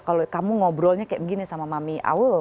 kalau kamu ngobrolnya seperti ini sama mami